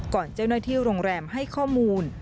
ก่อนเจ้าหน้าที่โรงแรมให้ข้อมูล